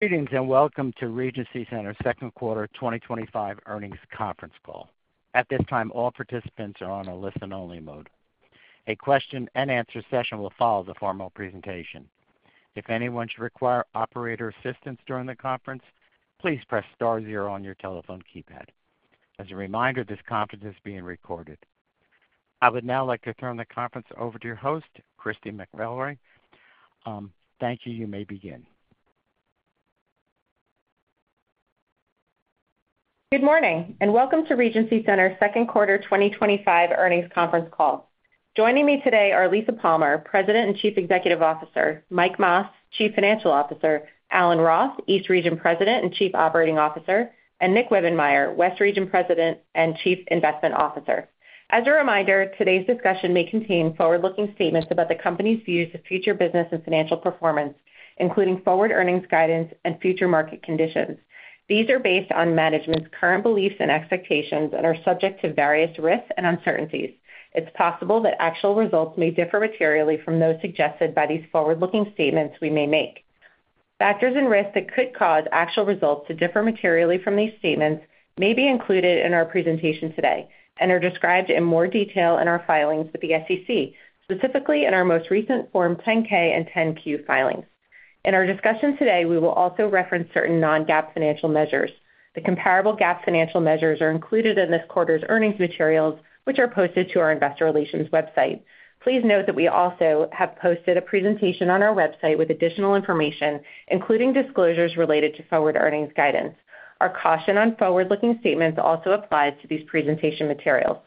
Greetings and welcome to Regency Centers Second Quarter 2025 Earnings Conference Call. At this time, all participants are on a listen only mode. A question and answer session will follow the formal presentation. If anyone should require operator assistance during the conference, please press Star 0 on your telephone keypad. As a reminder, this conference is being recorded. I would now like to turn the conference over to your host, Christy McElroy. Thank you. You may begin. Good morning and welcome to Regency Centers Second Quarter 2025 Earnings Conference Call. Joining me today are Lisa Palmer, President and Chief Executive Officer, Mike Mas, Chief Financial Officer, Alan Roth, East Region President and Chief Operating Officer, and Nick Wibbenmeyer, West Region President and Chief Investment Officer. As a reminder, today's discussion may contain forward looking statements about the company's views of future business and financial performance, including forward earnings guidance and future market conditions. These are based on management's current beliefs and expectations and are subject to various risks and uncertainties. It's possible that actual results may differ materially from those suggested by these forward looking statements. Factors and risks that could cause actual results to differ materially from these statements may be included in our presentation today and are described in more detail in our filings with the SEC, specifically in our most recent Form 10-K and Form 10-Q filings. In our discussion today we will also reference certain non-GAAP financial measures. The comparable GAAP financial measures are included in this quarter's earnings materials which are posted to our investor relations website. Please note that we also have posted a presentation on our website with additional information including disclosures related to forward earnings guidance. Our caution on forward looking statements also applies to these presentation materials.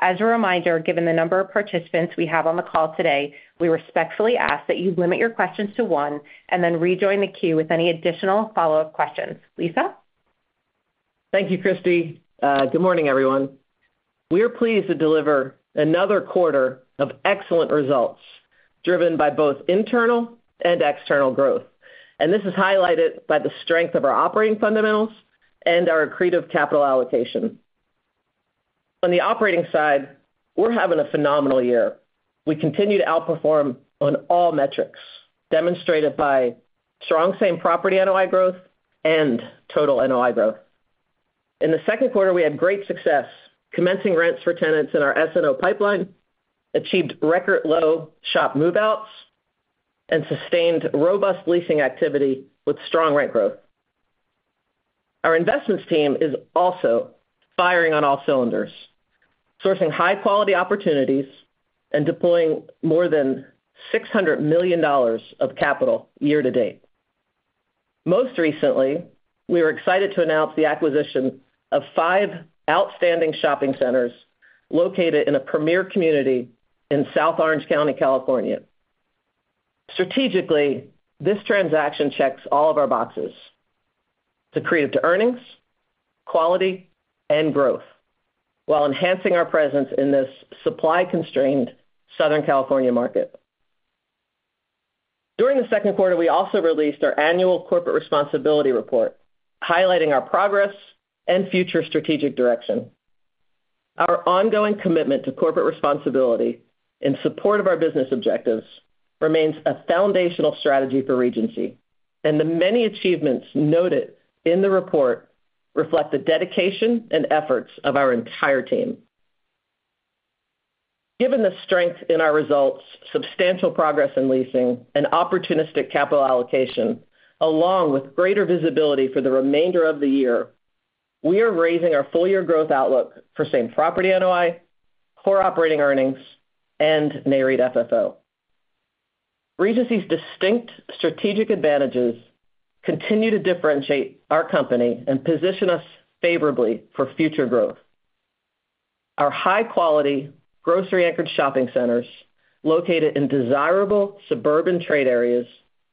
As a reminder, given the number of participants we have on the call today, we respectfully ask that you limit your questions to one and then rejoin the queue with any additional follow up questions. Lisa? Thank you, Christy. Good morning, everyone. We are pleased to deliver another quarter of excellent results driven by both internal and external growth, and this is highlighted by the strength of our operating fundamentals and our accretive capital allocation. On the operating side, we're having a phenomenal year. We continue to outperform on all metrics, demonstrated by strong same property NOI growth and total NOI growth. In the second quarter, we had great success commencing rents for tenants in our SNO pipeline, achieved record low shop move outs, and sustained robust leasing activity with strong rent growth. Our investments team is also firing on all cylinders, sourcing high quality opportunities and deploying more than $600 million of capital year to date. Most recently, we were excited to announce the acquisition of five outstanding shopping centers located in a premier community in South Orange County, California. Strategically, this transaction checks all of our boxes. It's accretive to earnings, quality, and growth while enhancing our presence in this supply constrained Southern California market. During the second quarter, we also released our annual Corporate Responsibility Report highlighting our progress and future strategic direction. Our ongoing commitment to corporate responsibility in support of our business objectives remains a foundational strategy for Regency, and the many achievements noted in the report reflect the dedication and efforts of our entire team. Given the strength in our results, substantial progress in leasing and opportunistic capital allocation, along with greater visibility for the remainder of the year, we are raising our full year growth outlook for same property NOI, core operating earnings, and NAREIT FFO. Regency's distinct strategic advantages continue to differentiate our company and position us favorably for future growth. Our high quality grocery anchored shopping centers located in desirable suburban trade areas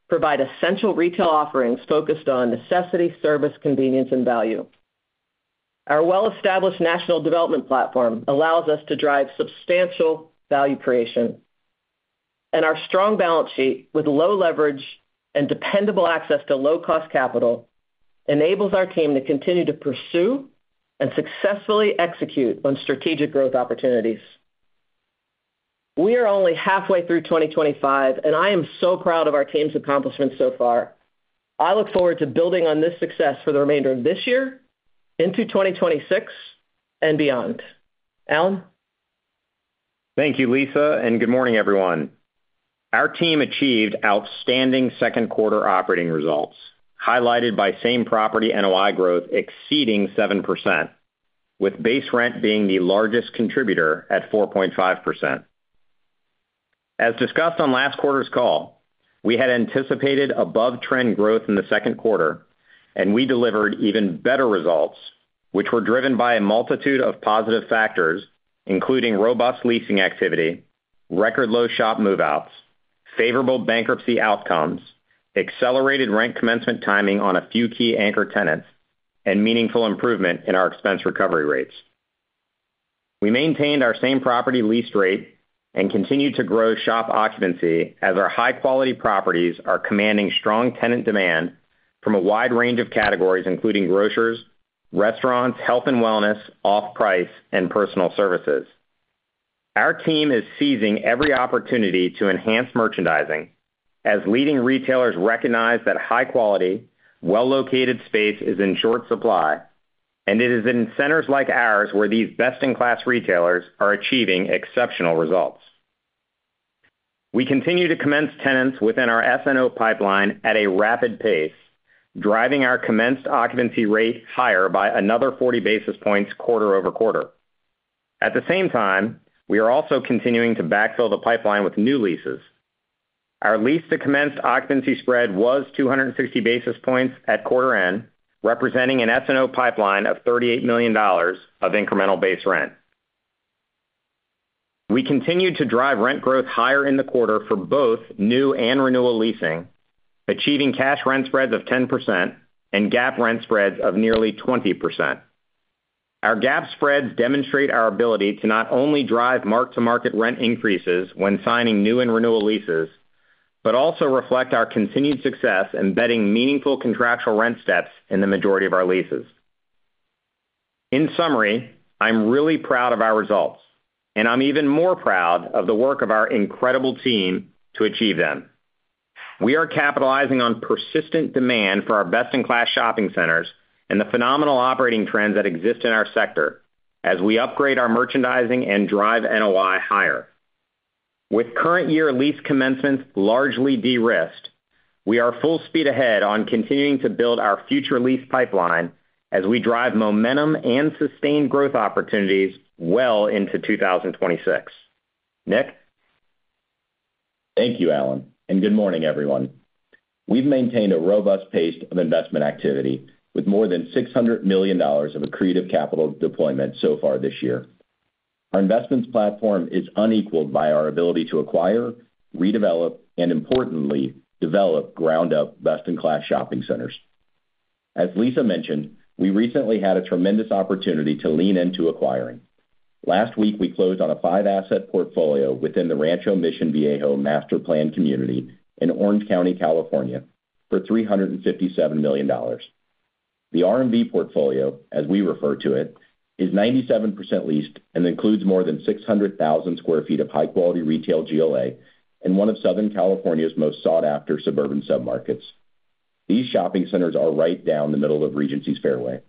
provide essential retail offerings focused on necessity, service, convenience, and value. Our well established national development platform allows us to drive substantial value creation, and our strong balance sheet with low leverage and dependable access to low cost capital enables our team to continue to pursue and successfully execute on strategic growth opportunities. We are only halfway through 2025, and I am so proud of our team's accomplishments so far. I look forward to building on this success for the remainder of this year into 2026 and beyond. Alan? Thank you, Lisa, and good morning everyone. Our team achieved outstanding second quarter operating results highlighted by same property NOI growth exceeding 7% with base rent being the largest contributor at 4.5%. As discussed on last quarter's call, we had anticipated above trend growth in the second quarter and we delivered even better results which were driven by a multitude of positive factors including robust leasing activity, record low shop move outs, favorable bankruptcy outcomes, accelerated rent commencement timing on a few key anchor tenants, and meaningful improvement in our expense recovery rates. We maintained our same property leased rate and continue to grow shop occupancy as our high quality properties are commanding strong tenant demand from a wide range of categories including grocers, restaurants, health and wellness, off price, and personal services. Our team is seizing every opportunity to enhance merchandising as leading retailers recognize that high quality, well located space is in short supply and it is in centers like ours where these best in class retailers are achieving exceptional results. We continue to commence tenants within our SNO pipeline at a rapid pace, driving our commenced occupancy rate higher by another 40 basis points quarter over quarter at the same time. We are also continuing to backfill the pipeline with new leases. Our lease to commence occupancy spread was 260 basis points at quarter end, representing an SNO pipeline of $38 million of incremental base rent. We continued to drive rent growth higher in the quarter for both new and renewal leasing, achieving cash rent spreads of 10% and GAAP rent spreads of nearly 20%. Our GAAP spreads demonstrate our ability to not only drive mark to market rent increases when signing new and renewal leases, but also reflect our continued success embedding meaningful contractual rent steps in the majority of our leases. In summary, I'm really proud of our results and I'm even more proud of the work of our incredible team to achieve them. We are capitalizing on persistent demand for our best in class shopping centers and the phenomenal operating trends that exist in our sector as we upgrade our merchandising and drive NOI higher. With current year lease commencements largely de risked, we are full speed ahead on continuing to build our future lease pipeline as we drive momentum and sustained growth opportunities well into 2026. Nick? Thank you, Alan, and good morning, everyone. We've maintained a robust pace of investment activity with more than $600 million of accretive capital deployment so far this year. Our investments platform is unequaled by our ability to acquire, redevelop, and importantly, develop ground up best in class shopping centers. As Lisa mentioned, we recently had a tremendous opportunity to lean into acquiring. Last week, we closed on a five asset portfolio within the Rancho Mission Viejo Master Plan Community in Orange County, California for $357 million. The RMV portfolio, as we refer to it, is 97% leased and includes more than 600,000 sq. ft. of high quality retail GLA in one of Southern California's most sought after suburban submarkets. These shopping centers are right down the middle of Regency's fairway,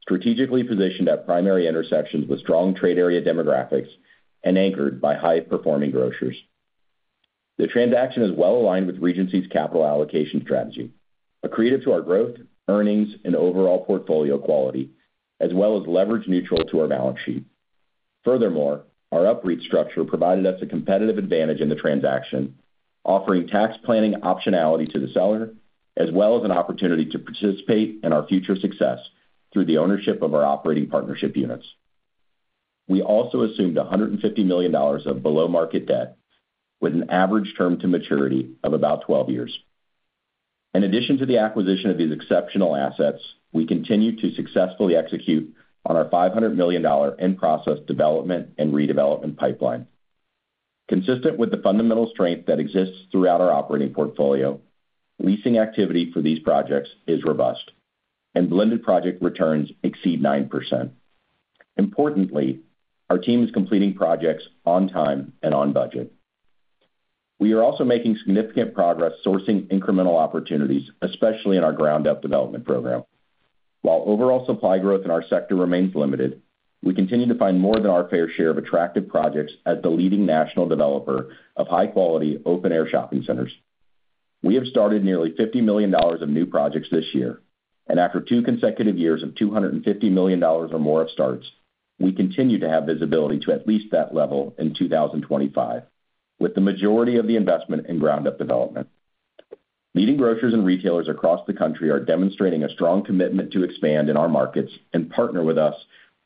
strategically positioned at primary intersections with strong trade area demographics and anchored by high performing grocers. The transaction is well aligned with Regency's capital allocation strategy, accretive to our growth, earnings, and overall portfolio quality, as well as leverage neutral to our balance sheet. Furthermore, our upREIT structure provided us a competitive advantage in the transaction, offering tax planning optionality to the seller as well as an opportunity to participate in our future success through the ownership of our operating partnership units. We also assumed $150 million of below market debt with an average term to maturity of about 12 years. In addition to the acquisition of these exceptional assets, we continue to successfully execute on our $500 million in process development and redevelopment pipeline. Consistent with the fundamental strength that exists throughout our operating portfolio, leasing activity for these projects is robust and blended project returns exceed 9%. Importantly, our team is completing projects on time and on budget. We are also making significant progress sourcing incremental opportunities, especially in our ground up development program. While overall supply growth in our sector remains limited, we continue to find more than our fair share of attractive projects. As the leading national developer of high quality open air shopping centers, we have started nearly $50 million of new projects this year, and after two consecutive years of $250 million or more of starts, we continue to have visibility to at least that level in 2025. With the majority of the investment in ground up development, leading grocers and retailers across the country are demonstrating a strong commitment to expand in our markets and partner with us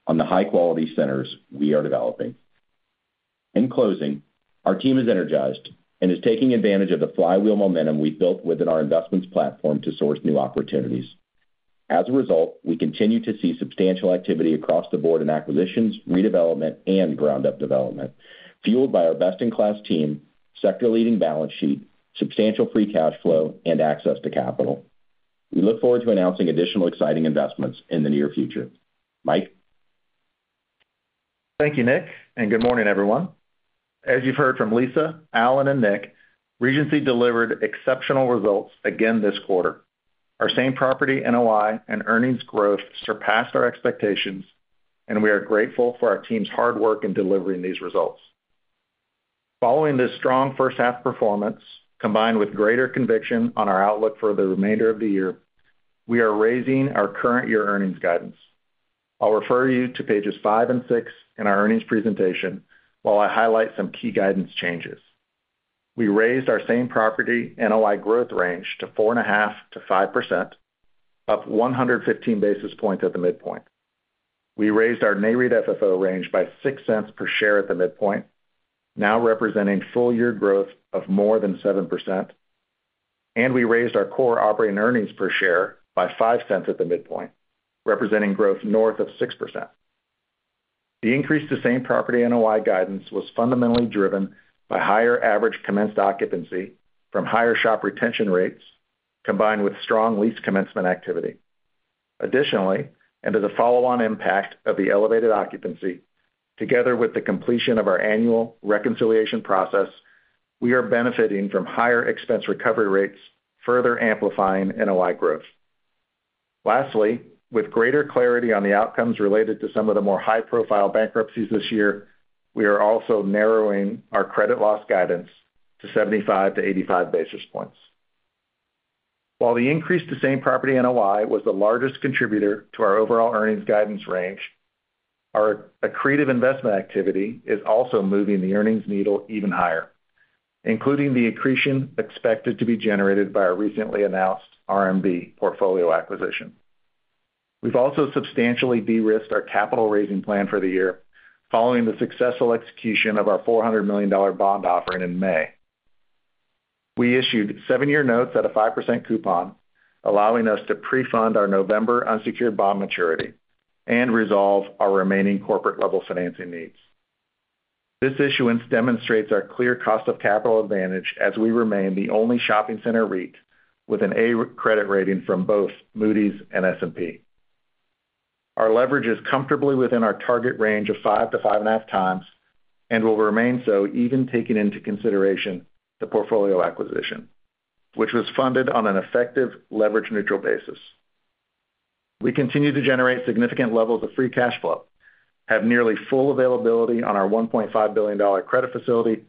on the high quality centers we are developing. In closing, our team is energized and is taking advantage of the flywheel momentum we built within our investments platform to source new opportunities. As a result, we continue to see substantial activity across the board in acquisitions, redevelopment, and ground up development fueled by our best in class team, sector leading balance sheet, substantial free cash flow, and access to capital. We look forward to announcing additional exciting investments in the near future. Mike? Thank you Nick and good morning everyone. As you've heard from Lisa, Alan, and Nick, Regency delivered exceptional results again this quarter. Our same property NOI and earnings growth surpassed our expectations and we are grateful for our team's hard work in delivering these results. Following this strong first half performance combined with greater conviction on our outlook for the remainder of the year, we are raising our current year earnings guidance. I'll refer you to pages five and six in our earnings presentation while I highlight some key guidance changes. We raised our same property NOI growth range to 4.5%-5%, up 115 basis points at the midpoint. We raised our NAREIT FFO range by $0.06 per share at the midpoint, now representing full year growth of more than 7%. We raised our core operating earnings per share by $0.05 at the midpoint, representing growth north of 6%. The increase to same property NOI guidance was fundamentally driven by higher average commenced occupancy from higher shop retention rates combined with strong lease commencement activity. Additionally, and as a follow-on impact of the elevated occupancy together with the completion of our annual reconciliation process, we are benefiting from higher expense recovery rates, further amplifying NOI growth. Lastly, with greater clarity on the outcomes related to some of the more high profile bankruptcies this year, we are also narrowing our credit loss guidance to 75-85 basis points. While the increase to same property NOI was the largest contributor to our overall earnings guidance range, our accretive investment activity is also moving the earnings needle even higher, including the accretion expected to be generated by our recently announced RMV portfolio acquisition. We've also substantially derisked our capital raising plan for the year following the successful execution of our $400 million bond offering in May. We issued seven year notes at a 5% coupon, allowing us to prefund our November unsecured bond maturity and resolve our remaining corporate level financing needs. This issuance demonstrates our clear cost of capital advantage as we remain the only shopping center REIT with an A credit rating from both Moody’s and S&P. Our leverage is comfortably within our target range of five to five and a half times and will remain so even taking into consideration the portfolio acquisition, which was funded on an effective leverage neutral basis. We continue to generate significant levels of free cash flow, have nearly full availability on our $1.5 billion credit facility,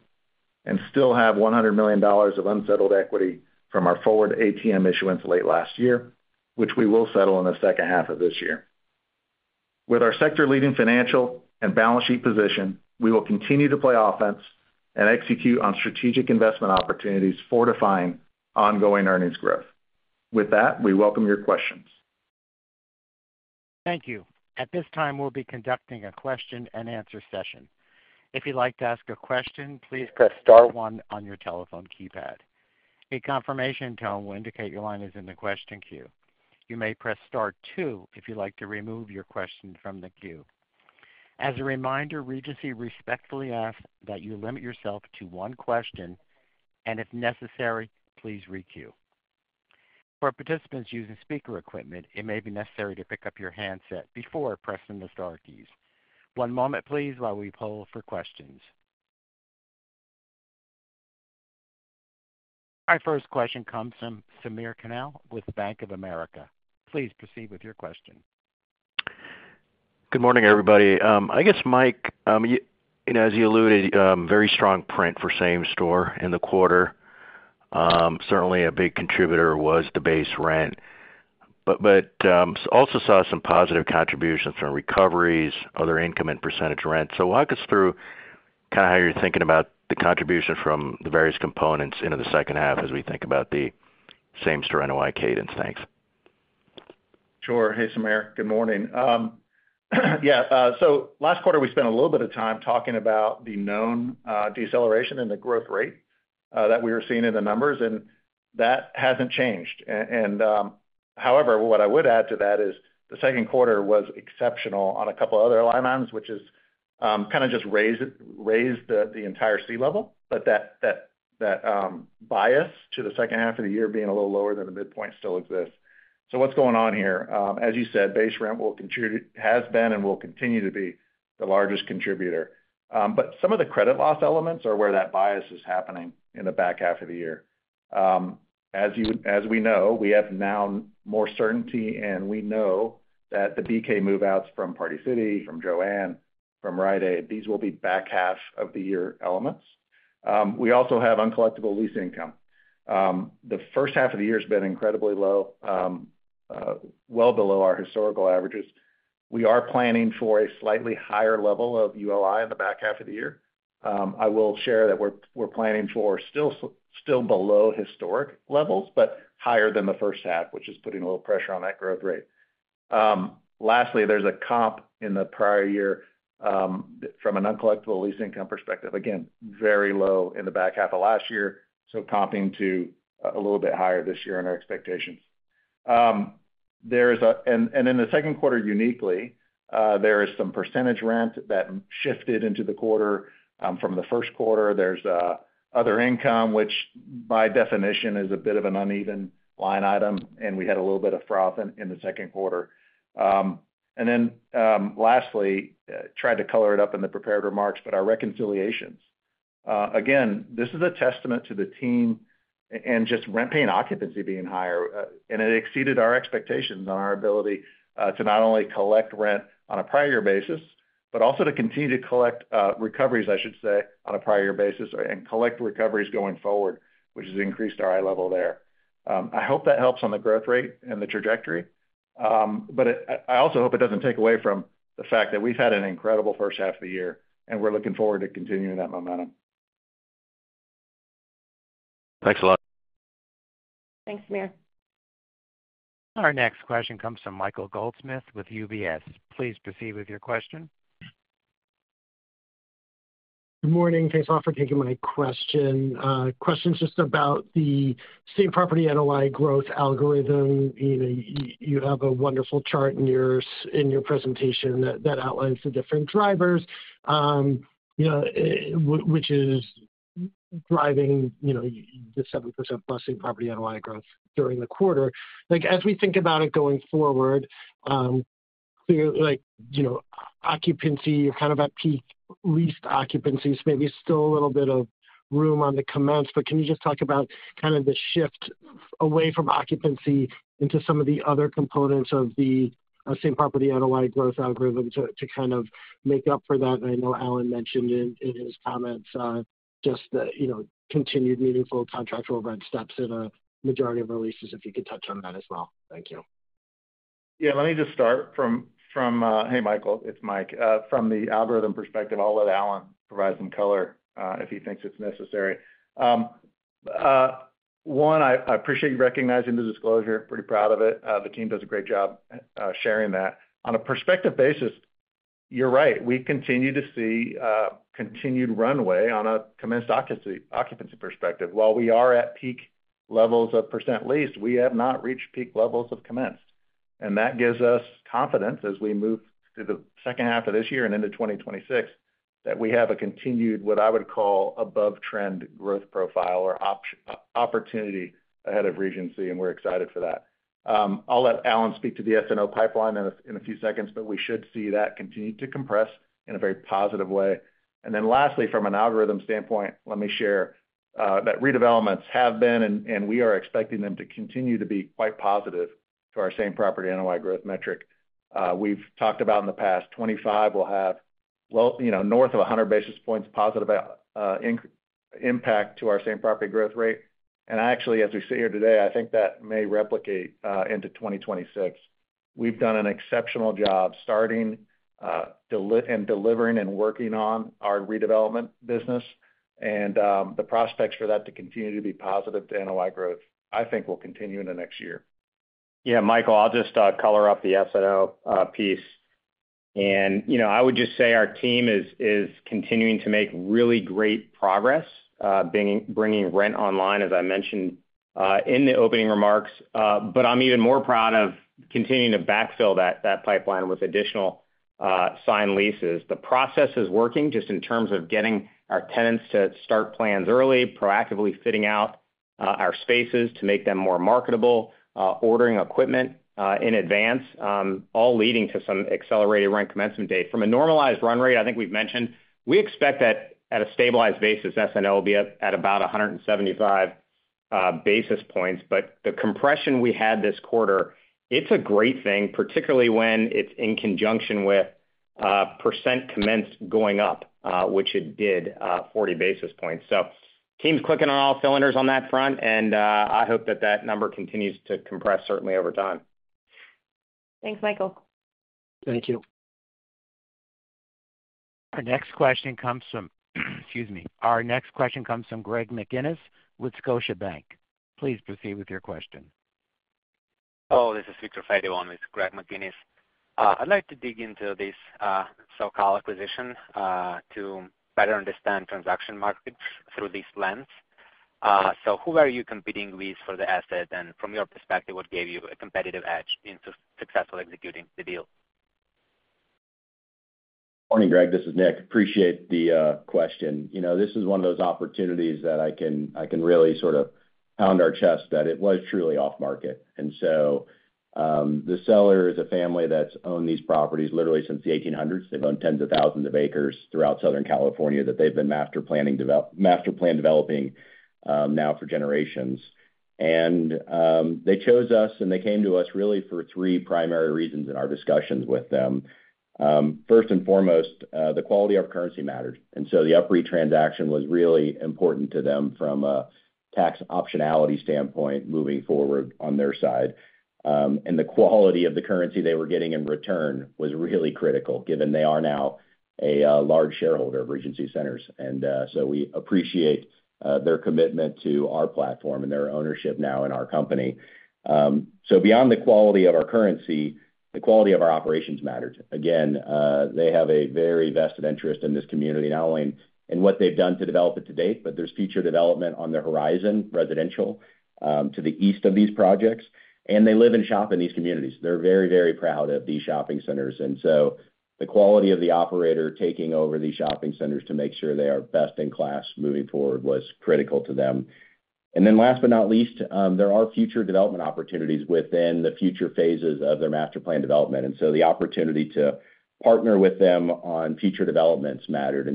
and still have $100 million of unsettled equity from our forward ATM issuance late last year, which we will settle in the second half of this year. With our sector leading financial and balance sheet position, we will continue to play offense and execute on strategic investment opportunities, fortifying ongoing earnings growth. With that, we welcome your questions. Thank you. At this time we'll be conducting a question and answer session. If you'd like to ask a question, please press star one on your telephone keypad. A confirmation tone will indicate your line is in the question queue. You may press star two if you'd like to remove your question from the queue. As a reminder, Regency respectfully asks that you limit yourself to one question and if necessary please requeue. For participants using speaker equipment, it may be necessary to pick up your handset before pressing the star keys. One moment please. While we poll for questions, our first question comes from Samir Khanal with Bank of America. Please proceed with your question. Good morning everybody. I guess Mike, as you alluded, very strong print for same store in the quarter. Certainly a big contributor was the base rent, but also saw some positive contributions from recoveries, other income and percentage rent. Walk us through kind of how you're thinking about the contribution from the various components into the second half as we think about the same store NOI cadence. Thanks. Sure. Hey Samir, good morning. Yeah, last quarter we spent a little bit of time talking about the known deceleration in the growth rate that we were seeing in the numbers and that has not changed. However, what I would add to that is the second quarter was exceptional on a couple other line items, which just raised the entire sea level. That bias to the second half of the year being a little lower than the midpoint still exists. What is going on here? As you said, base rent will contribute, has been and will continue to be the largest contributor. Some of the credit loss elements are where that bias is happening in the back half of the year. As we know, we have now more certainty and we know that the BK move outs from Party City, from Jo-Ann, from Rite Aid, these will be back half of the year elements. We also have uncollectible lease income. The first half of the year has been incredibly low, well below our historical averages. We are planning for a slightly higher level of ULI in the back half of the year. I will share that we are planning for still below historic levels but higher than the first half, which is putting a little pressure on that growth rate. Lastly, there is a comp in the prior year from a non-collectible lease income perspective, again very low in the back half of last year, so comping to a little bit higher this year in our expectations. In the second quarter, uniquely, there is some percentage rent that shifted into the quarter from the first quarter. There is other income, which by definition is a bit of an uneven line item, and we had a little bit of froth in the second quarter. Lastly, I tried to color it up in the prepared remarks, but our reconciliations, again, this is a testament to the team and just rent paying occupancy being higher, and it exceeded our expectations on our ability to not only collect rent on a prior year basis but also to continue to collect recoveries, I should say, on a prior year basis and collect recoveries going forward, which has increased our eye level there. I hope that helps on the growth rate and the trajectory, but I also hope it does not take away from the fact that we have had an incredible first half of the year and we are looking forward to continuing that momentum. Thanks a lot. Thanks Samir. Our next question comes from Michael Goldsmith with UBS. Please proceed with your question. Good morning. Thanks a lot for taking my question. Question's just about the same property NOI growth algorithm. You have a wonderful chart in your presentation that outlines the different drivers. Which Is driving the 70% busting property NOI Growth during the quarter as we think about it going forward. Like, you know, occupancy, you're kind of at peak leased occupancies. Maybe still a little bit of room. On the commence, but can you just talk about kind of the shift away from occupancy into some of the other components of the same property NOI growth algorithm to kind of make up for that? I know Alan mentioned in his comments just the, you know, continued meaningful contractual rent steps in a majority of releases. If you could touch on that as well. Thank you. Yeah, let me just start from. Hey, Michael, it's Mike. From the algorithm perspective, I'll let Alan provide some color if he thinks it's necessary. One, I appreciate you recognizing the disclosure. Pretty proud of it. The team does a great job sharing that on a perspective basis. You're right. We continue to see continued runway on a commenced occupancy perspective. While we are at peak levels of % leased, we have not reached peak levels of commenced. That gives us confidence as we move through the second half of this year and into 2026 that we have a continued, what I would call, above trend growth profile or opportunity ahead of Regency. We are excited for that. I'll let Alan speak to the ethano pipeline in a few seconds, but we should see that continue to compress in a very positive way. Lastly, from an algorithm standpoint, let me share that redevelopments have been, and we are expecting them to continue to be, quite positive to our same property NOI growth metric we have talked about in the past. 2025 will have, well, you know, north of 100 basis points positive impact to our same property growth rate. Actually, as we sit here today, I think that may replicate into 2026. We have done an exceptional job starting and delivering and working on our redevelopment business. The prospects for that to continue to be positive to NOI growth I think will continue in the next year. Yeah, Michael, I'll just color up the SNO piece. You know, I would just say our team is continuing to make really great progress bringing rent online, as I mentioned in the opening remarks. I'm even more proud of continuing to backfill that pipeline with additional signed leases. The process is working just in terms of getting our tenants to start plans early, proactively fitting out our spaces to make them more marketable, ordering equipment in advance, all leading to some accelerated rent commencement date. From a normalized run rate, I think we've mentioned we expect that at a stabilized basis SNO will be at about 175 basis points. The compression we had this quarter, it's a great thing, particularly when it's in conjunction with percent commenced going up, which it did, 40 basis points. Team's clicking on all cylinders on that front and I hope that that number continues to compress certainly over time. Thanks, Michael. Thank you. Our next question comes from, excuse me, our next question comes from Greg McInnis with Scotiabank. Please proceed with your question. Hello, this is Viktor Fediv with Greg McInnis. I'd like to dig into this SoCal acquisition to better understand transaction markets through this lens. Who are you competing with for the asset? From your perspective, what gave you a competitive edge in successfully executing the deal? Morning, Greg. This is Nick. Appreciate the question. You know, this is one of those opportunities that I can really sort of pound our chest that it was truly off market. The seller is a family that has owned these properties literally since the 1800s. They have owned tens of thousands of acres throughout Southern California that they have been master plan developing now for generations. They chose us. They came to us really for three primary reasons in our discussions with them. First and foremost, the quality of currency mattered. The upREIT transaction was really important to them from a tax optionality standpoint moving forward on their side. The quality of the currency they were getting in return was really critical given they are now a large shareholder of Regency Centers. We appreciate their commitment to our platform and their ownership now in our company. Beyond the quality of our currency, the quality of our operations matters. Again, they have a very vested interest in this community, not only in what they have done to develop it to date, but there is future development on the horizon, residential to the east of these projects. They live and shop in these communities. They are very, very proud of these shopping centers. The quality of the operator taking over these shopping centers to make sure they are best in class moving forward was critical to them. Last but not least, there are future development opportunities within the future phases of their master plan development. The opportunity to partner with them on future developments mattered.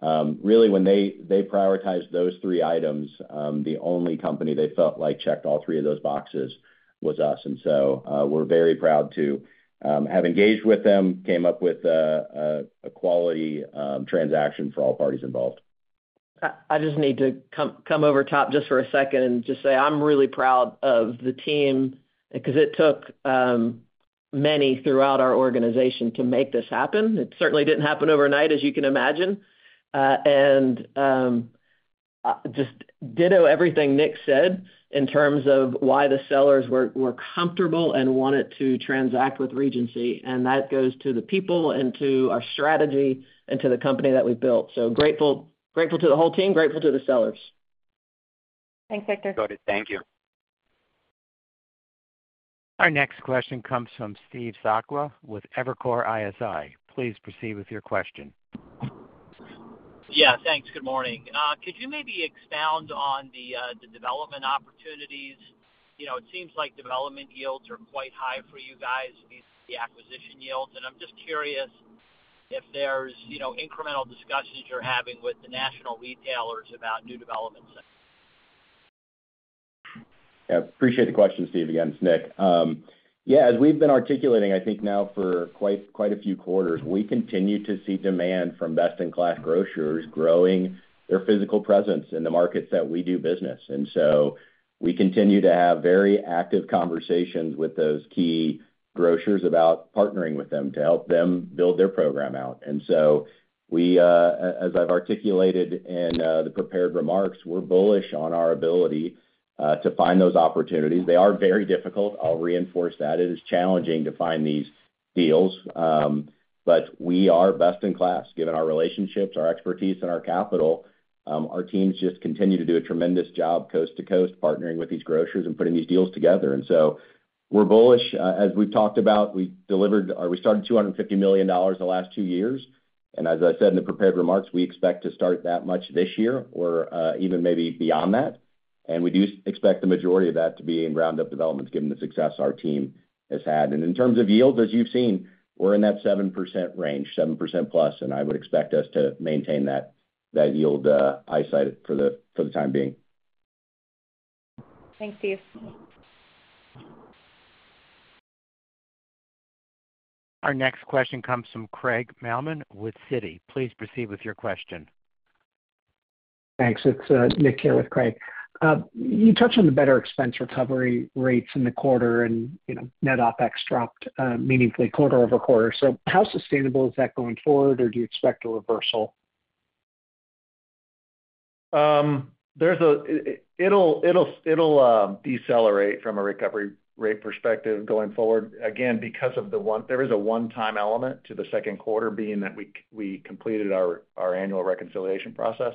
When they prioritized those three items, the only company they felt like checked all three of those boxes was us. We are very proud to have engaged with them, came up with a quality transaction for all parties involved. I just need to come over top just for a second and just say I'm really proud of the team because it took many throughout our organization to make this happen. It certainly did not happen overnight, as you can imagine. And just ditto everything Nick said in terms of why the sellers were comfortable and wanted to transact with Regency. That goes to the people and to our strategy and to the company that we built. Grateful to the whole team. Grateful to the sellers. Thanks, Viktor. Thank you. Our next question comes from Steve Sakwa with Evercore ISI. Please proceed with your question. Yeah, thanks. Good morning. Could you maybe expound on the development opportunities? You know, it seems like development yields are quite high for you guys, the acquisition yields. I am just curious if there is incremental. Discussions you're having with the next national retailers about new development? Appreciate the question, Steve. Again, it's Nick. Yeah. As we've been articulating I think now for quite a few quarters, we continue to see demand from best in class grocers growing their physical presence in the markets that we do business. We continue to have very active conversations with those key grocers about partnering with them to help them build their program out. As I've articulated in the prepared remarks, we're bullish on our ability to find those opportunities. They are very difficult. I'll reinforce that. It is challenging to find these deals, but we are best in class given our relationships, our expertise, and our capital. Our teams just continue to do a tremendous job coast to coast partnering with these grocers and putting these deals together. We're bullish. As we've talked about, we delivered or we started $250 million the last two years. As I said in the prepared remarks, we expect to start that much this year or even maybe beyond that. We do expect the majority of that to be in roundup developments given the success our team has had. In terms of yield, as you've seen, we're in that 7% range, 7% plus. I would expect us to maintain that yield eyesight for the time being. Thanks, Steve. Our next question comes from Craig Mumford with Citi. Please proceed with your question. Thanks. It's Nick here with Craig. You touched on the better expense recovery rates in the quarter and net OpEx dropped meaningfully quarter over quarter. How sustainable is that going forward or do you expect a reversal? It'll decelerate from a recovery rate perspective going forward again, because of the one, there is a one-time element to the second quarter being that we completed our annual reconciliation process.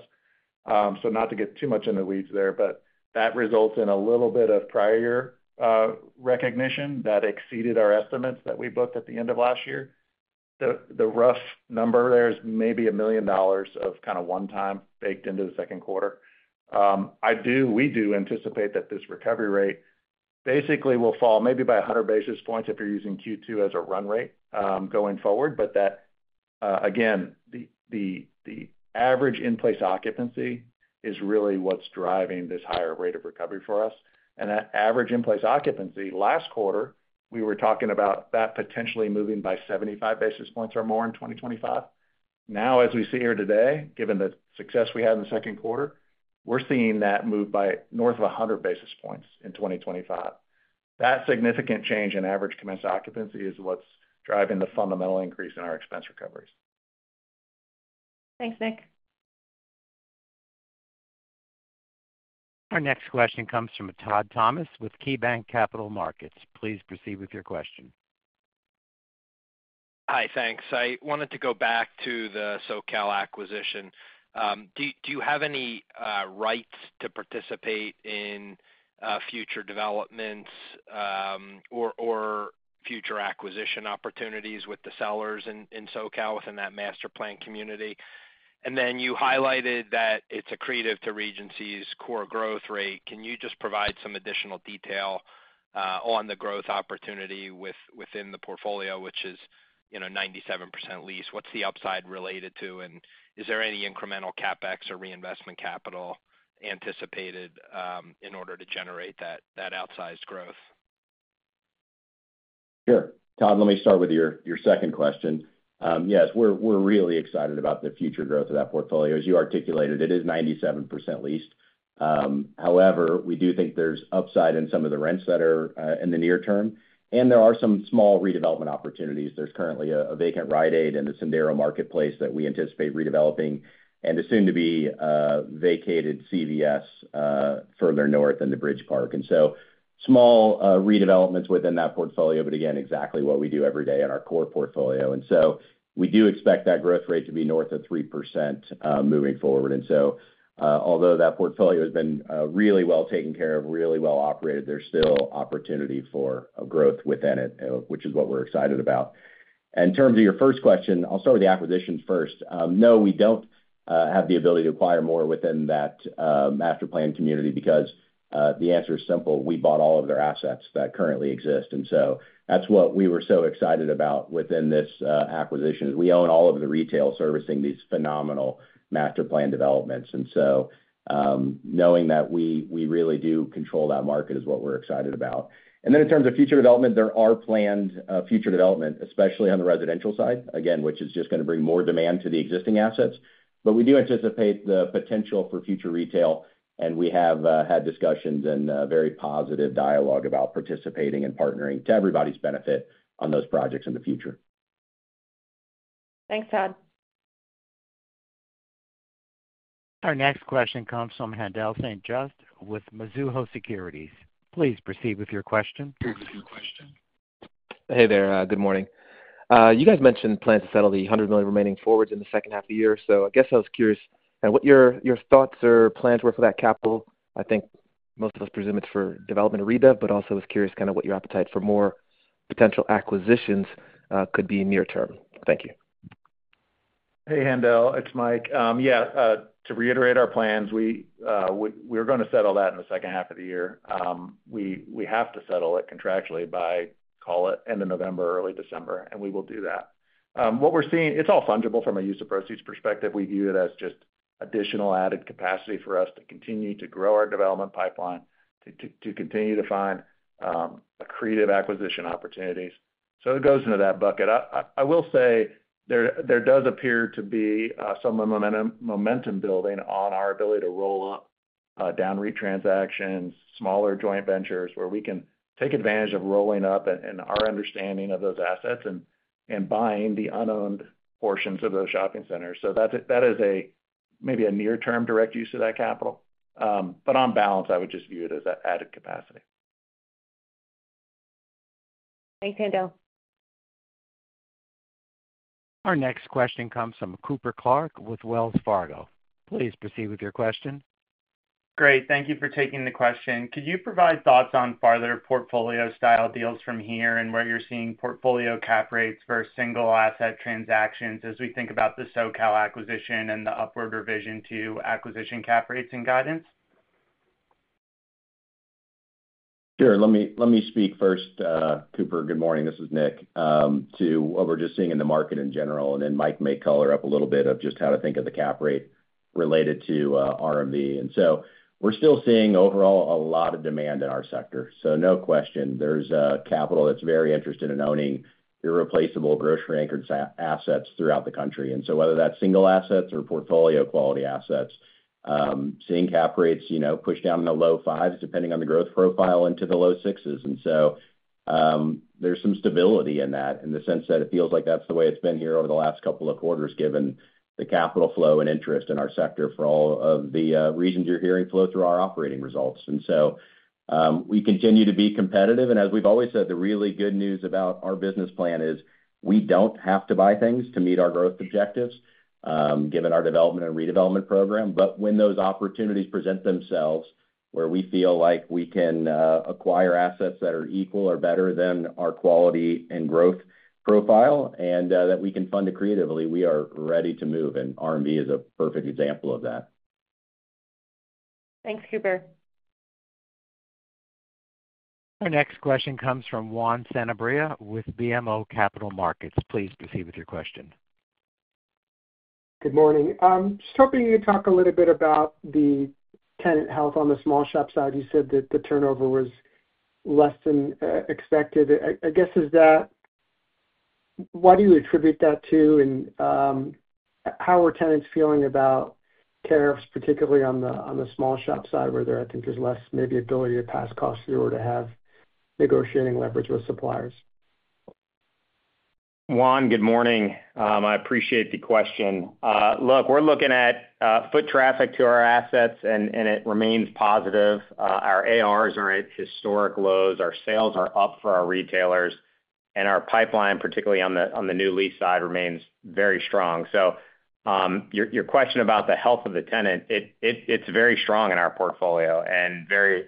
Not to get too much in the weeds there, but that results in a little bit of prior year recognition that exceeded our estimates that we booked at the end of last year. The rough number there is maybe $1 million of kind of one-time baked into the second quarter. We do anticipate that this recovery rate basically will fall maybe by 100 basis points if you're using Q2 as a run rate going forward. That again, the average in-place occupancy is really what's driving this higher rate of recovery for us. That average in-place occupancy last quarter, we were talking about that potentially moving by 75 basis points or more in 2025. Now, as we see here today, given the success we had in the second quarter, we're seeing that move by north of 100 basis points in 2025. That significant change in average commenced occupancy is what's driving the fundamental increase in our expense recoveries. Thanks, Nick. Our next question comes from Todd Thomas with KeyBanc Capital Markets. Please proceed with your question. I wanted to go back to the SoCal acquisition. Do you have any rights to participate in future developments or future acquisition opportunities with the sellers in SoCal within that master plan community? You highlighted that it is accretive to Regency's core growth rate. Can you just provide some additional details on the growth opportunity within the portfolio, which is 97% leased? What is the upside related to and is there any incremental CapEx or reinvestment capital anticipated in order to generate that outsized growth? Sure. Todd, let me start with your second question. Yes, we're really excited about the future growth of that portfolio, as you articulated it is 97% leased. However, we do think there's upside in some of the rents that are in the near term and there are some small redevelopment opportunities. There's currently a vacant Rite Aid in the Sendero Marketplace that we anticipate redeveloping and a soon to be vacated CVS further north in the Bridge Park. Small redevelopments within that portfolio, but again, exactly what we do every day in our core portfolio. We do expect that growth rate to be north of 3% moving forward. Although that portfolio has been really well taken care of, really well operated, there's still opportunity for growth within it, which is what we're excited about. In terms of your first question, I'll start with the acquisitions first. No, we don't have the ability to acquire more within that master plan community because the answer is simple. We bought all of their assets that currently exist. That's what we were so excited about. Within this acquisition, we own all of the retail servicing these phenomenal master plan developments. Knowing that we really do control that market is what we're excited about. In terms of future development, there are planned future development, especially on the residential side, which is just going to bring more demand to the existing assets. We do anticipate the potential for future retail and we have had discussions and very positive dialogue about participating and partnering to everybody's benefit on those projects in the future. Thanks, Todd. Our next question comes from Haendel Saint-Juste with Mizuho Securities. Please proceed with your question. Hey there Good morning. You guys mentioned plans to settle the $100 million remaining forwards in the second half of the year. I guess I was curious what your thoughts or plans were for that capital. I think most of us presume it's for development or ReDev, but also was curious kind of what your appetite for more potential acquisitions could be near term.? Thank you. Hey Haendel, it's Mike. Yeah. To reiterate our plans, we're going to settle that in the second half of the year. We have to settle it contractually by, call it, end of November, early December. We will do that. What we're seeing, it's all fungible from a use of proceeds perspective. We view it as just additional added capacity for us to continue to grow our development pipeline, to continue to find accretive acquisition opportunities. It goes into that bucket. I will say there does appear to be some momentum building on our ability to roll up down RE transactions, smaller joint ventures where we can take advantage of rolling up and our understanding of those assets and buying the unowned portions of those shopping centers. That is, maybe, a near term direct use of that capital. On balance I would just view it as added capacity. Thanks, Haendel. Our next question comes from Cooper Clark with Wells Fargo. Please proceed with your question. Great Thank you for taking the question. Could you provide thoughts on farther portfolio style deals from here and where you're seeing portfolio cap rates versus single asset transactions as we think about the SoCal acquisition and the upward revision to acquisition cap rates and guidance? Sure. Let me speak first. Cooper, good morning, this is Nick. To what we're just seeing in the market in general. Mike may color up a little bit of just how to think of the cap rate related to RMV. We are still seeing overall a lot of demand in our sector. No question there's capital that's very interested in owning irreplaceable grocery-anchored assets throughout the country. Whether that's single assets or portfolio quality assets, seeing cap rates push down in the low 5s, depending on the growth profile, into the low 6s. There's some stability in that in the sense that it feels like that's the way it's been here over the last couple of quarters, given the capital flow and interest in our sector, for all of the reasons you're hearing flow through our operating results. We continue to be competitive. As we've always said, the really good news about our business plan is we do not have to buy things to meet our growth objectives, given our development and redevelopment program. When those opportunities present themselves where we feel like we can acquire assets that are equal or better than our quality and growth profile and that we can fund it creatively, we are ready to move. RMV is a perfect example of that. Thanks, Cooper. Our next question comes from Juan Sanabria with BMO Capital Markets. Please proceed with your question. Good morning. Just hoping you talk a little bit about the tenant health on the small shop side. You said that the turnover was lessthan expected, I guess. What do you attribute that to? How are tenants feeling about tariffs, Particularly on the small shop side where I think there's less maybe ability to pass costs through or to have negotiating leverage with suppliers. Juan, good morning. I appreciate the question. Look, we're looking at foot traffic to our assets and it remains positive. Our ARs are at historic lows. Our sales are up for our retailers and our pipeline, particularly on the new lease side, remains very strong. Your question about the health of the tenant, it's very strong in our portfolio and very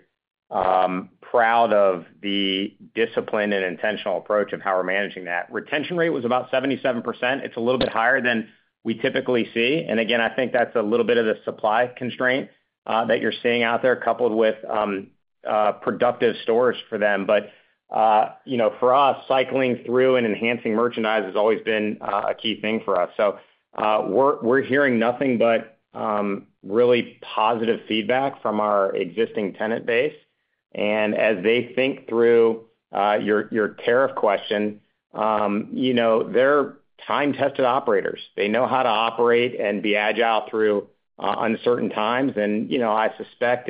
proud of the discipline and intentional approach of how we're managing that retention rate was about 77%. It's a little bit higher than we typically see. I think that's a little bit of the supply constraint that you're seeing out there coupled with productive stores for them. You know, for us, cycling through and enhancing merchandise has always been a key thing for us. We're hearing nothing but really positive feedback from our existing tenant base. As they think through your tariff question, you know, they're time tested operators. They know how to operate and be agile through uncertain times. I suspect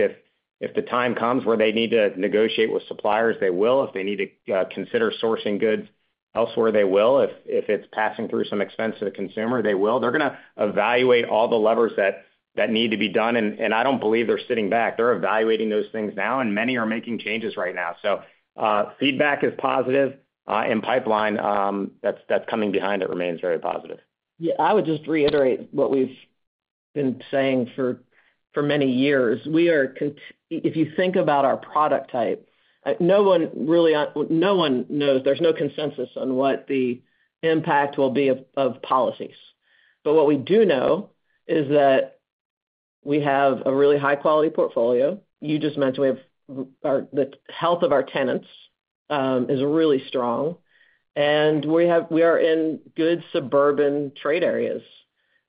if the time comes where they need to negotiate with suppliers, they will. If they need to consider sourcing goods elsewhere, they will. If it's passing through some expense to the consumer, they will. They're going to evaluate all the levers that need to be done. I don't believe they're sitting back. They're evaluating those things now and many are making changes right now. Feedback is positive and pipeline that's coming behind it remains very positive. Yeah, I would just reiterate what we've been saying for many years. We are, if you think about our product type, no one really, no one knows. There's no consensus on what the impact will be of policies. What we do know is that we have a really high quality portfolio. You just mentioned the health of our tenants is really strong and we are in good suburban trade areas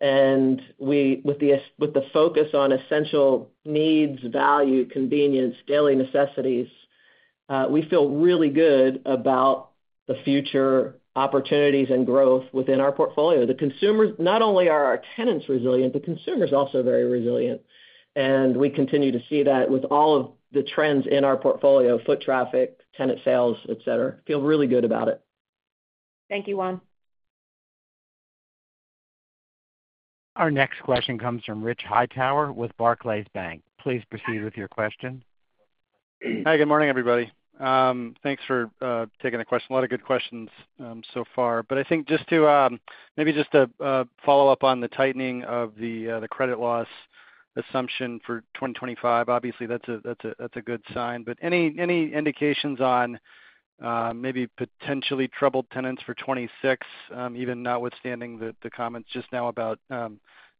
with the focus on essential needs, value, convenience, daily necessities. We feel really good about the future opportunities and growth within our portfolio. The consumers, not only are our tenants resilient, the consumer is also very resilient and we continue to see that with all of the trends in our portfolio, foot traffic, tenant sales, etc. Feel really good about it. Thank you, Juan. Our next question comes from Rich Hightower with Barclays Bank. Please proceed with your question. Hi, good morning everybody. Thanks for taking the question. A lot of good questions so far, but I think just to maybe just a follow up on the tightening of the credit loss assumption for 2025. Obviously that's a good sign, but any indications on maybe potentially troubled tenants for 2026 even notwithstanding the comments just now about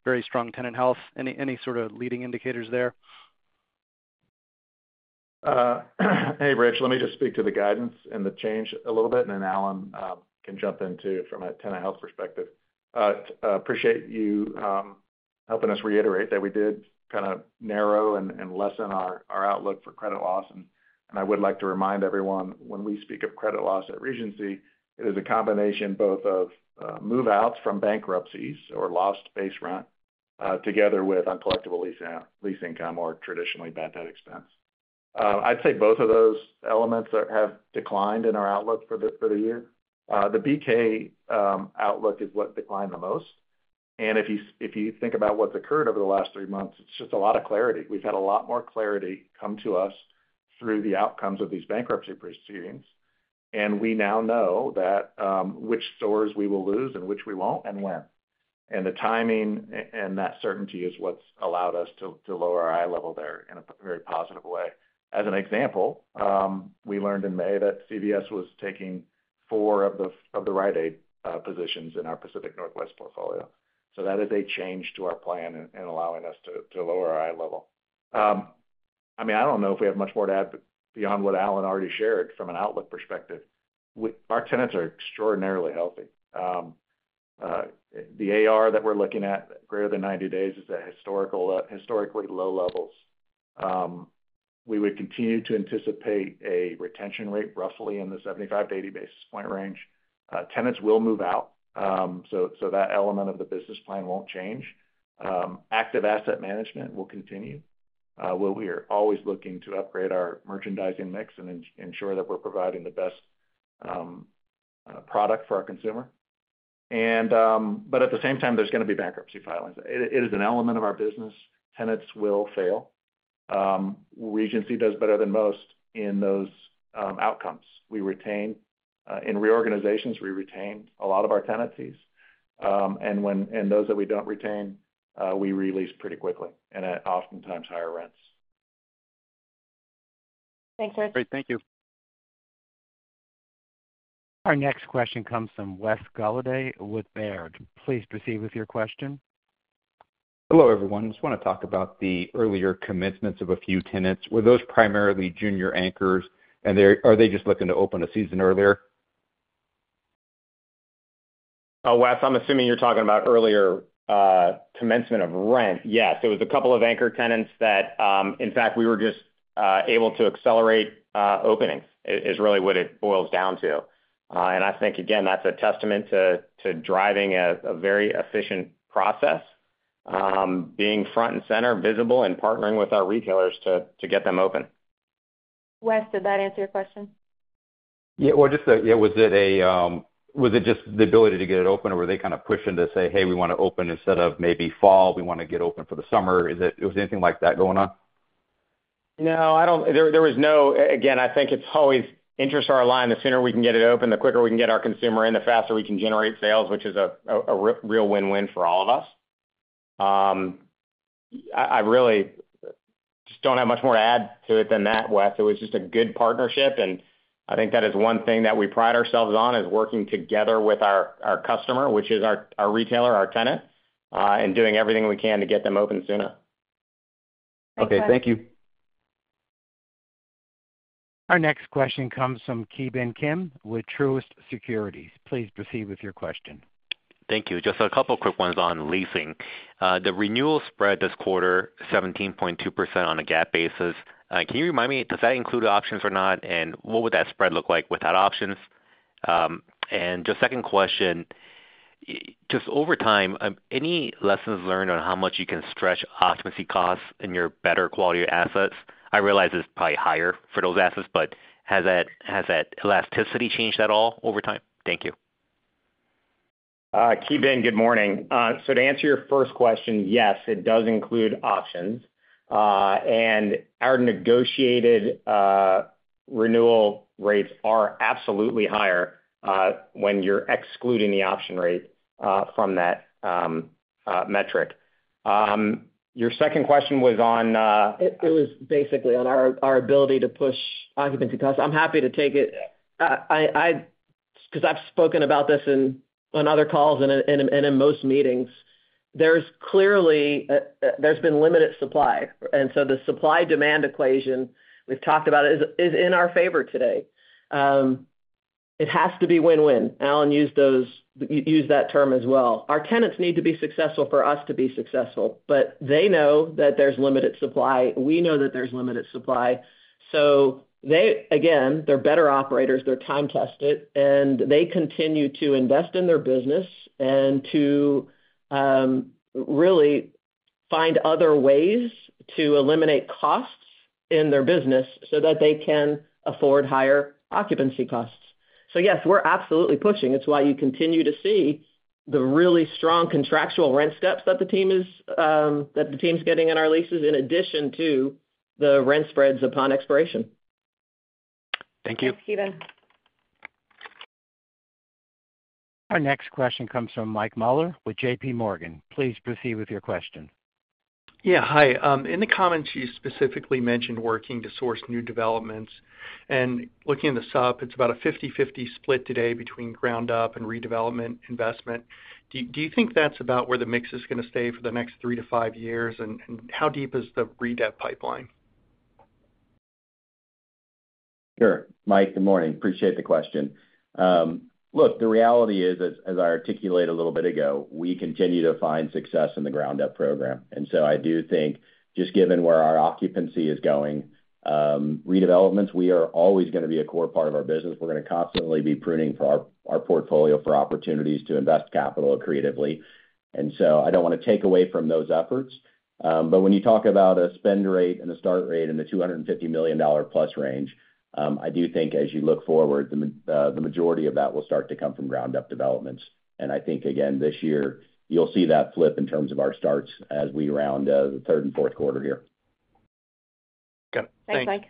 very strong tenant health, any sort of leading indicators there? Hey Rich, let me just speak to the guidance and the change a little bit and Alan can jump in too from a tenant health perspective. Appreciate you helping us reiterate that. We did kind of narrow and lessen our outlook for credit loss. I would like to remind everyone when we speak of credit loss at Regency, it is a combination both of move outs from bankruptcies or lost base rent together with uncollectible lease income or traditionally bad debt expense. I'd say both of those elements have declined in our outlook for the year. The BK outlook is what declined the most. If you think about what's occurred over the last three months, it's just a lot of clarity. We've had a lot more clarity come to us through the outcomes of these bankruptcy proceedings. We now know which stores we will lose and which we won't and when, and the timing and that certainty is what's allowed us to lower our eye level there in a very positive way. As an example, we learned in May that CVS was taking four of the Rite Aid positions in our Pacific Northwest portfolio. That is a change to our plan and allowing us to lower our eye level. I mean, I don't know if we have much more to add beyond what Alan already shared. From an outlook perspective, our tenants are extraordinarily healthy. The AR that we're looking at greater than 90 days is at historically low levels. We would continue to anticipate a retention rate roughly in the 75-80 basis point range. Tenants will move out so that element of the business plan won't change. Active asset management will continue where we are always looking to upgrade our merchandising mix and ensure that we're providing the best Product for our consumer. At the same time, there's going to be bankruptcy filings. It is an element of our business. Tenants will fail. Regency does better than most in those outcomes. We retain, in reorganizations, a lot of our tenancies and those that we don't retain, we release pretty quickly and at oftentimes higher rents. Thanks, Rich. Thank you. Our next question comes from Wes Golladay with Baird. Please proceed with your question. Hello, everyone just want to talk about the earlier commencements of a few tenants. Were those primarily junior anchors? They just looking to open a season earlier? Wes, I'm assuming you're talking about earlier commencement of rent. Yes, it was a couple of anchor tenants that in fact we were just able to accelerate openings is really what it boils down to. I think again, that's a testament to driving a very efficient process, being front and center visible and partnering with our retailers to get them open. Wes, did that answer your question? Yeah, just. Was it just the ability to get it open or were they kind of pushing to say, hey, we want to open instead of maybe fall, we want to get open for the summer? Is it was anything like that going on? No, I don't. There was no. Again, I think it's always interests are aligned. The sooner we can get it open, the quicker we can get our consumer in, the faster we can generate sales, which is a real win win for all of us. I really just don't have much more to add to it than that Wes. It was just a good partnership and I think that is one thing that we pride ourselves on is working together with our customer, which is our retailer, our tenant, and doing everything we can to get them open sooner. Okay, thank you. Our next question comes from Ki Bin Kim with Truist Securities. Please proceed with your question. Thank you. Just a couple quick ones on leasing. The renewal spread this quarter, 17.2% on a GAAP basis. Can you remind me, does that include options or not? What would that spread look like without options? Just second question, just over time, any lessons learned on how much you can stretch occupancy costs in your better quality assets? I realize it's probably higher for those assets, but has that elasticity changed at all over time? Thank you. Ki Bin. Good morning. To answer your first question, yes, it does include options and our negotiated renewal rates are absolutely higher when you're excluding the option rate from that metric. Your second question was on, it was. Basically on our ability to push occupancy costs. I'm happy to take it because I've spoken about this on other calls and in most meetings. There's clearly been limited supply. The supply demand equation, we've talked about it, is in our favor today. It has to be win win. Alan used that term as well. Our tenants need to be successful for us to be successful. They know that there's limited supply. We know that there's limited supply. Again, they're better operators, they're time tested, and they continue to invest in their business and to really find other ways to eliminate costs in their business so that they can afford higher occupancy costs. Yes, we're absolutely pushing. It's why you continue to see the really strong contractual rent steps that the team is getting in our leases in addition to the rent spreads upon expiration. Thank you. Our next question comes from Mike Mueller with JP Morgan. Please proceed with your question. Yeah, hi. In the comments you specifically mentioned working to source new developments and looking at the sup. It's about a 50-50 split today between ground up and redevelopment investment. Do you think that's about where the mix is going to stay for the next three to five years. How deep is the redev pipeline? Sure. Mike, good morning. Appreciate the question. Look, the reality is, as I articulated a little bit ago, we continue to find success in the ground up program. I do think just given where our occupancy is going, redevelopments are always going to be a core part of our business. We're going to constantly be pruning our portfolio for opportunities to invest capital accretively. I do not want to take away from those efforts. When you talk about a spend rate and a start rate in the $250 million plus range, I do think as you look forward, the majority of that will start to come from ground up developments. I think again this year you'll see that flip in terms of our starts as we round the third and fourth quarter here. Thanks, Mike.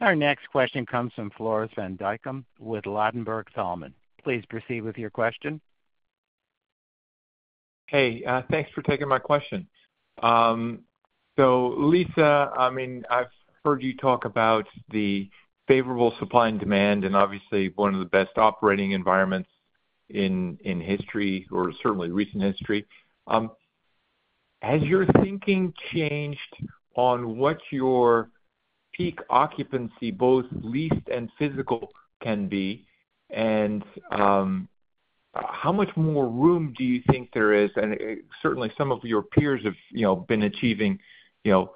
Our next question comes from Floris van Dijkum with Ladenburg Thalmann. Please proceed with your question. Hey, thanks for taking my question. Lisa, I mean, I've heard you talk about the favorable supply and demand and obviously one of the best operating environments in history, or certainly recent history. Has your thinking changed on what your peak occupancy, both leased and physical, can be, and how much more room do you think there is certainly some of your peers have been achieving, you know,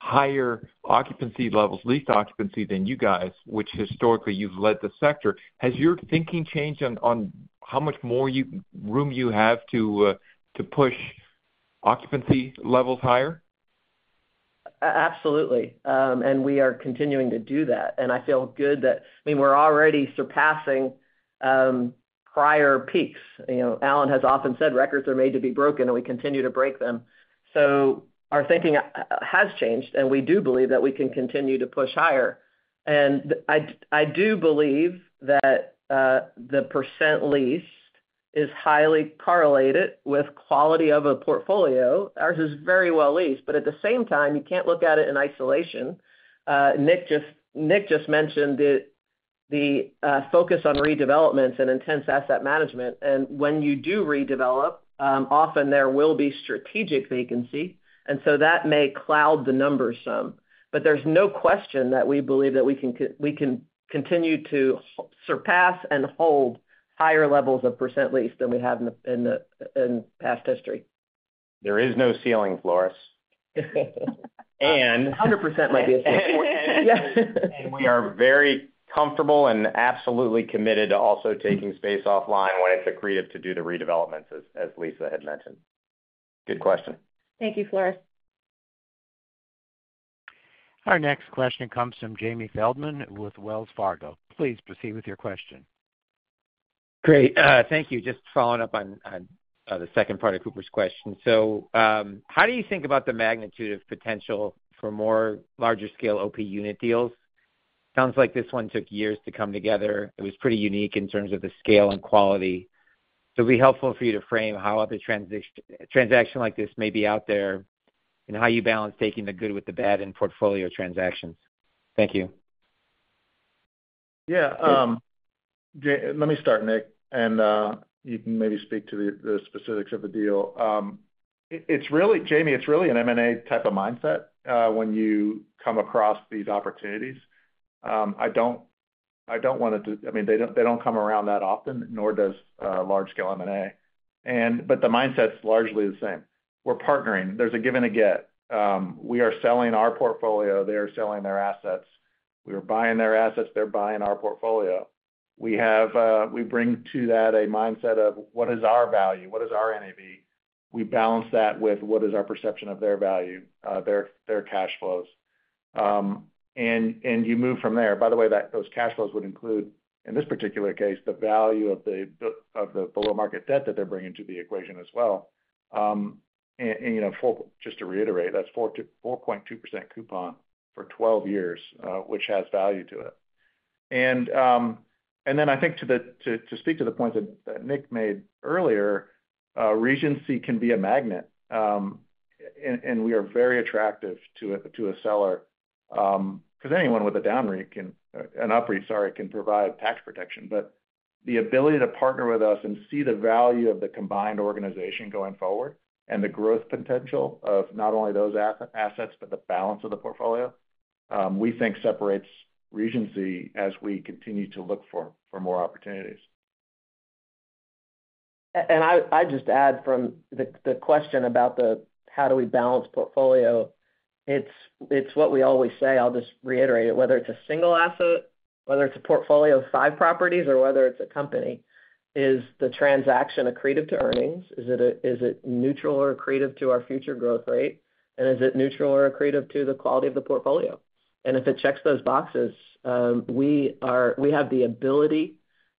higher occupancy levels, least occupancy than you guys, which historically you've led the sector. Has your thinking changed on how much more room you have to push occupancy levels higher? Absolutely, we are continuing to do that. I feel good that, I mean, we are already surpassing prior peaks. Alan has often said records are made to be broken and we continue to break them. Our thinking has changed and we do believe that we can continue to push higher. I do believe that the % leased is highly correlated with quality of a portfolio. Ours is very well leased, but at the same time, you cannot look at it in isolation. Nick just mentioned the focus on redevelopments and intense asset management. When you do redevelopment, often there will be strategic vacancy, and that may cloud the numbers some. There is no question that we believe that we can continue to surpass and hold higher levels of % lease than we have in past history. There is no ceiling, Floris. 100% might be a ceiling. We are very comfortable and absolutely committed to also taking space offline when it's. Accretive to do the redevelopments as well as Lisa had mentioned, good question. Thank you, Floris. Our next question comes from Jamie Feldman with Wells Fargo. Please proceed with your question. Great, thank you. Just following up on the second part of Cooper's question. How do you think about the Magnitude of potential for more larger scale OP unit deals? Sounds like this one took years to come together. It was pretty unique in terms of the scale and quality. It'll be helpful for you to frame how other transactions like this may be out there and how you balance taking the good with the bad in portfolio transactions. Thank you. Yeah, let me start, Nick, and you can maybe speak to the specifics of the deal. It's really, Jamie, it's really an M and A type of mindset when you come across these opportunities. I don't want it to. I mean, they don't come around that often, nor does large scale M and A. The mindset's largely the same. We're partnering, there's a given, a get. We are selling our portfolio, they are selling their assets, we are buying their assets, they're buying our portfolio. We bring to that a mindset of what is our value, what is our NAV. We balance that with what is our perception of their value, their cash flows, and you move from there. By the way, those cash flows would include, in this particular case, the value of the below market debt that they're bringing to the equation as well. Just to reiterate, that's 4.2% coupon for 12 years, which has value to it. I think to speak to the point that Nick made earlier, Regency can be a magnet and we are very attractive to a seller because anyone with a downreach, an upreach, sorry, can provide tax protection. The ability to partner with us and see the value of the combined organization going forward and the growth potential of not only those assets, but the balance of the portfolio, we think separates Regency as we continue to look for more opportunities. I just add from the question about how do we balance portfolio, it's what we always say. I'll just reiterate it. Whether it's a single asset, whether it's a portfolio of five properties or whether it's a company, is the transaction accretive to earnings? Is it neutral or accretive to our future growth rate? And is it neutral or accretive to the quality of the portfolio? If it checks those boxes, we have the ability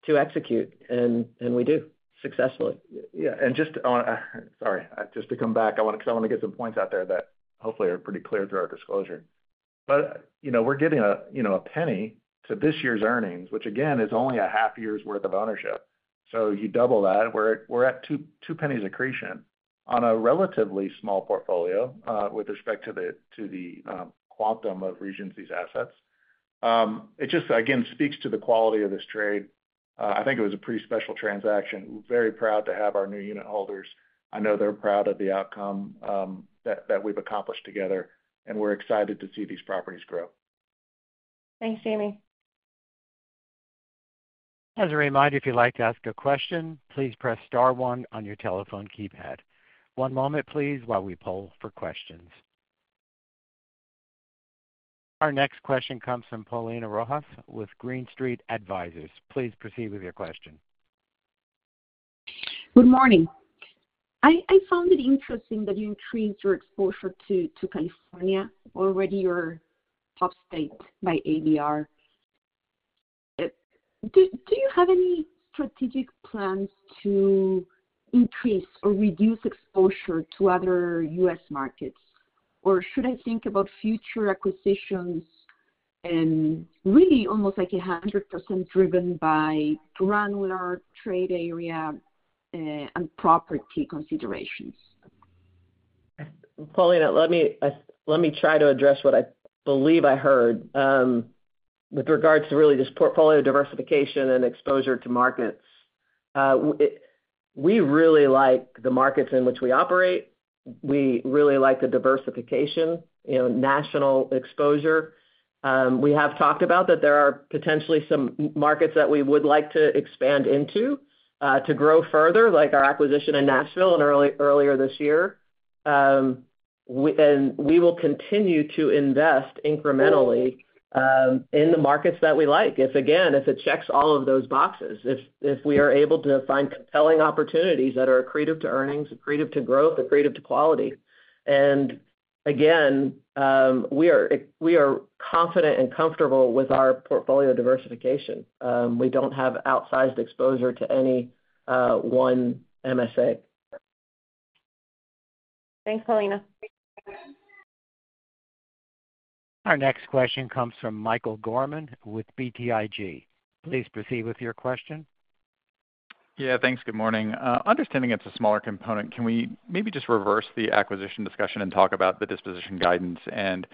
to execute, and we do. Successfully. Yeah. Just to come back because I want to get some points out there that hopefully are pretty clear through our disclosure. You know, we're getting a penny to this year's earnings, which again, is only a half year's worth of ownership. You double that, we're at 2 pennies accretion on a relatively small portfolio. With respect to the quantum of Regency's assets, it just speaks to the quality of this trade. I think it was a pretty special transaction. Very proud to have our new unitholders. I know they're proud of the outcome that we've accomplished together and we're excited to see these properties grow. Thanks, Jamie. As a reminder, if you'd like to ask a question, please press Star one on your telephone keypad. One moment, please. While we poll for questions, our next question comes from Paulina Rojas with Green Street Advisors. Please proceed with your question. Good morning. I found it interesting that you increased your exposure to California, already your top state, by ABR. Do you have any strategic plans to increase or reduce exposure to other U.S. markets or should I think about future acquisitions? Really almost like 100% driven by granular trade area and property considerations. Paulina, let me try to address what I believe I heard with regards to really just portfolio diversification and exposure to markets. We really like the markets in which we operate. We really like the diversification, national exposure. We have talked about that there are potentially some markets that we would like to expand into, to grow further, like our acquisition in Nashville earlier this year. We will continue to invest incrementally in the markets that we like. If it checks all of those boxes, if we are able to find compelling opportunities that are accretive to earnings, accretive to growth, accretive to quality. We are confident and comfortable with our portfolio diversification. We do not have outsized exposure to any one MSA. Thanks, Paulina. Our next question comes from Michael Gorman with BTIG. Please proceed with your question. Yeah, thanks. Good morning. Understanding it's a smaller component, can we maybe just reverse the acquisition discussion and talk about the disposition guidance and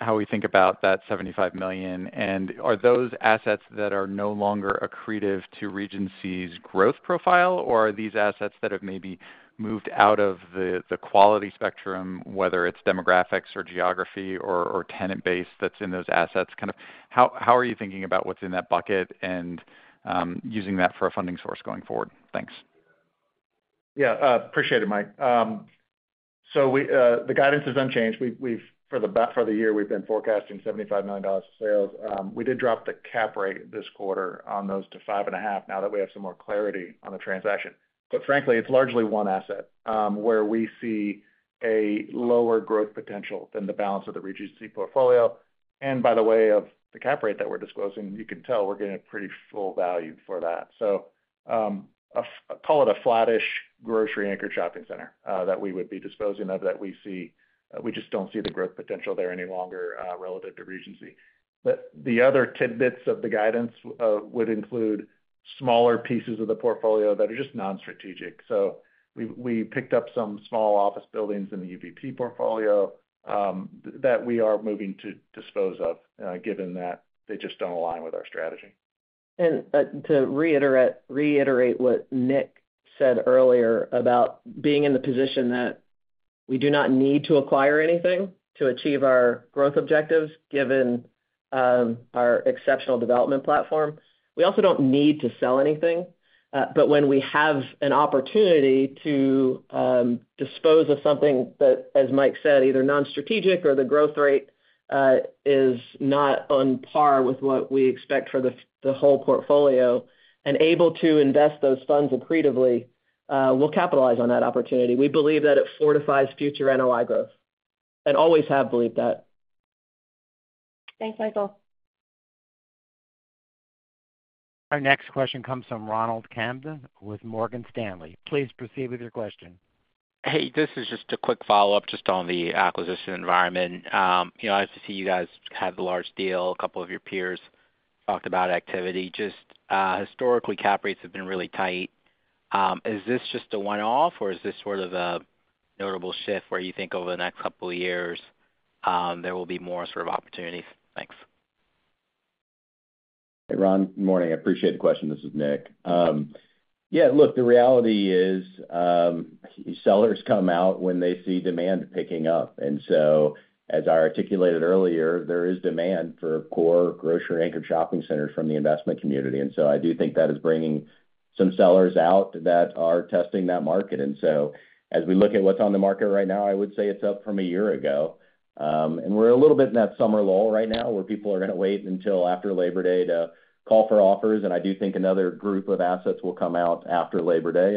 how we think about that $75 million and are those assets that are no longer accretive to Regency's growth profile or are these assets that have maybe moved out of the quality spectrum, whether it's demographics or geography or tenant base that's in those assets? Kind of. How are you thinking about what's in that bucket and using that for a funding source going forward? Thanks. Yeah, appreciate it, Mike. The guidance is unchanged for the year. We've been forecasting $75 million of sales. We did drop the cap rate this quarter on those to 5.5% now that we have some more clarity on the transaction. Frankly, it's largely one asset where we see a lower growth potential than the balance of the Regency portfolio. By the way, with the cap rate that we're disclosing, you can tell we're getting a pretty full value for that. Call it a flattish grocery anchored shopping center that we would be disposing of that we see. We just don't see the growth potential there any longer relative to Regency. The other tidbits of the guidance would include smaller pieces of the portfolio that are just non-strategic. We picked up some small office buildings in the UBP portfolio that we are moving to dispose of given that they just don't align with our strategy. To reiterate what Nick said earlier about being in the position that we do not need to acquire anything to achieve our growth objectives given our exceptional development platform, we also do not need to sell anything. When we have an opportunity to dispose of something that, as Mike said, is either non-strategic or the growth rate is not on par with what we expect for the whole portfolio and are able to invest those funds accretively, we will capitalize on that opportunity. We believe that it fortifies future NOI growth and always have believed that. Thanks Michael. Our next question comes from Ronald Kamdem with Morgan Stanley. Please proceed with your question. Hey, this is just a quick follow-up just on the acquisition environment. I see you guys had the large deal, a couple of your peers talked about activity. Just historically, cap rates have been really tight. Is this just a one off, or is this sort of a notable shift where you think over the next couple years there will be more sort of opportunities? Thanks. Hey Ron, good morning. I appreciate the question. This is Nick. Yeah, look, the reality is sellers come out when they see demand picking up. As I articulated earlier, there is demand for core grocery anchored shopping centers from the investment community. I do think that is bringing some sellers out that are testing that market. As we look at what's on the market right now, I would say it's up from a year ago. We're a little bit in that summer lull right now where people are going to wait until after Labor Day to call for offers. I do think another group of assets will come out after Labor Day.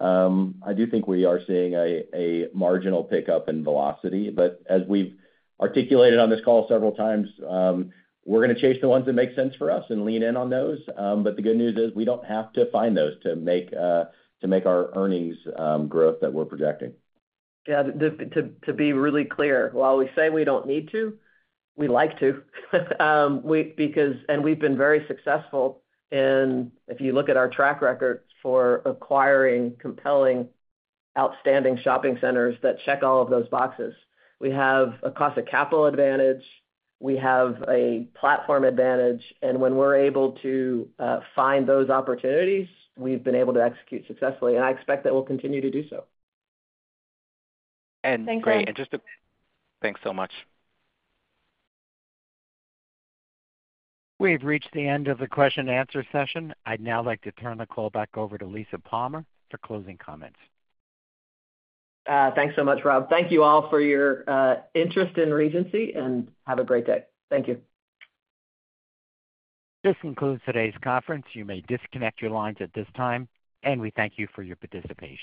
I do think we are seeing a marginal pickup in velocity. As we have articulated on this call several times, we are going to chase the ones that make sense for us. Lean in on those. The good news is we don't have to find those to make our earnings growth that we're projecting. To be really clear, while we say we don't need to, we like to and we've been very successful. If you look at our track record for acquiring compelling outstanding shopping centers that check all of those boxes, we have a cost of capital advantage. We have a platform advantage. When we're able to find those opportunities, we've been able to execute successfully and I expect that we'll continue to do so. Thanks so much. We've reached the end of the question and answer session. I'd now like to turn the call back over to Lisa Palmer for closing comments. Thanks so much, Rob. Thank you all for your interest in Regency, and have a great day. Thank you. This concludes today's conference. You may disconnect your lines at this time. We thank you for your participation.